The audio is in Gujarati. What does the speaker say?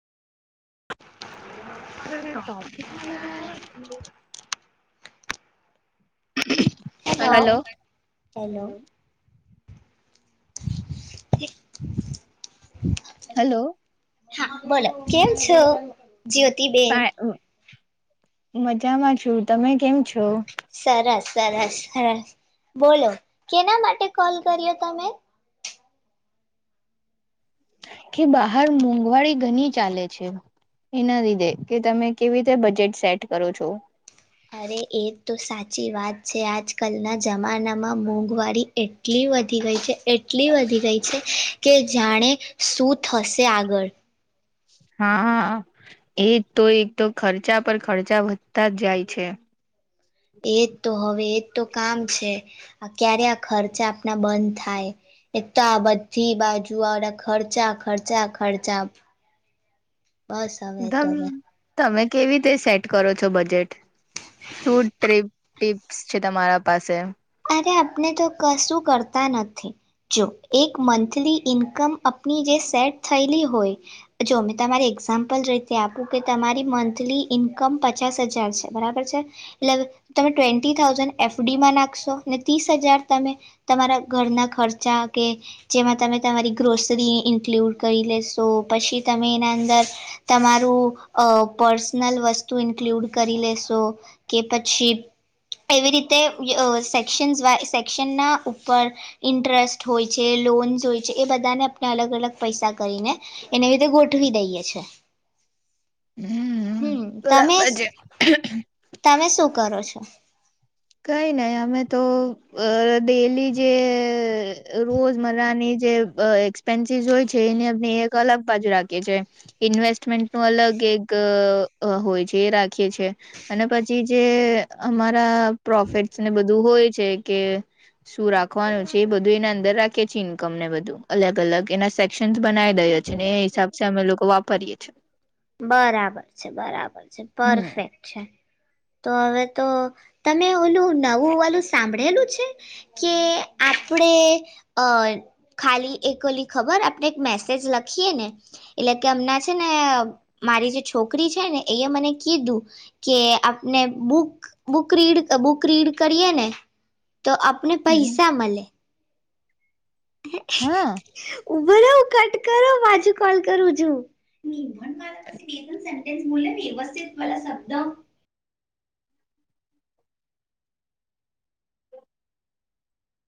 [inaudible] [inaudible] Hello hello. હલો [inaudible] હા બોલો કેમ છો? જ્યોતિબેન. ફા મજામાં છું તમે કેમ છો? સરસ. સરસ સરસ બોલો કેના માટે કોલ કર્યો તમે. કે બહાર મોંઘવારી ઘણી ચાલે છે એના લીધે કે તમે કેવી રીતે બજેટ સેટ કરો છો. અરે એ તો સાચી વાત છે આજ કલના જમાનામાં મોંઘવારી એટલી વધી ગઈ છે એટલી વધી ગઈ છે કે જાણે શું થશે આગળ. હા એજ તો એક તો ખર્ચા પર ખર્ચા વધતા જ જાય છે. એજ તો હવે એજ તો કામ છે આ ક્યારે આ ખર્ચા આપણા બંધ થાય એ તો આ બધી બાજુ આવડા ખર્ચા ખર્ચા ખર્ચા. બસ હવે તો ધમ હવે. તમે કેવી રીતે સેટ કરો છો બજેટ શું ટ્રીપ ટીપ્સ છે તમારા પાસે. અરે આપને તો કશું કરતા નથી જો એક મંથલી ઈન્કમ આપની જે સેટ થયેલી હોય જો મેં તમારી એક્ઝામ્પલ રીતે આપું કે તમારી મંથલી ઈન્કમ પચાસ હજાર છે બરાબર છે એટલે તમે ટ્વેન્ટી થાઉઝન્ડ એફડીમાં નાખ નાખશો ને ત્રીસ હજાર તમે તમારા ઘરના ખર્ચા કે જેમાં તમે તમારી ગ્રોસરી ઇન્ક્લુડ કરી લેશો પછી તમે એના અંદર તમારું આ પર્સનલ વસ્તુ ઇન્ક્લુડ કરી લેશો કે પછી એવી રીતે આ સેક્શન વા સેક્શન ના ઉપર ઇન્ટરેસ્ટ હોય છે લોન્સ હોય છે એ બધાને આપણે અલગ અલગ પૈસા કરીને એને લીધે ગોઠવી દઈએ છે. હમ હમ્મ તમે બરાબર છે તમે સુ. કરો છો. કઈ નહી અમે તો અ ડેલી જે રોજમ્રાની જે એક્સપેન્સીસ હોય છે એ અ એક અલગ પાજ રાખીએ છે ઇન્વેસ્ટમેન્ટ નું અલગ એક હોય છે એ રાખીએ છે અને પછી જે અમારા પ્રોફિટ ને બધ હોય છે કે શું રાખવાનું છે એ બધું એને અંદર રાખે છે ઇન્કમને બધું અલગ અલગ એના સેક્શન. બનાઈ દયો છે ને એ હિસાબે અમે લોકો. વાપરીએ છે બરાબર છે બરાબર છે હમ પરફેક્ટ છે. તો હવે તો તમે ઓલું નવું વાલું સાંભળેલું છે કે આપણેે અ ખાલી એક ઓલી ખબર આપણે એક મેસેજ લખીએ ને એટલે કે અમના છે ને મારી જે છોકરી છે ને એ મને કીધું કે આપને book book read book read કરીએ ને તો આપને હમ પૈસા મળે. હા. ઉભરો કટ કરો બાજુ કોલ કરું જો. [unintelligible] મુલ વ્યવસ્થિત પેલા શબ્દ.